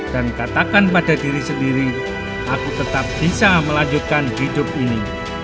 dan katakan pada diri sendiri aku tetap bisa melanjutkan hidup ini